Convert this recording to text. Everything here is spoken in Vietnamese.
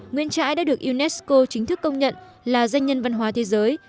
nguyễn trãi đã được unesco chính thức công nhận là danh nhân văn hóa thế giới